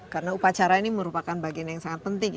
karena upacara ini merupakan bagian yang sangat penting